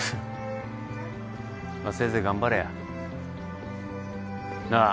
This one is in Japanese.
まあせいぜい頑張れや。なあ。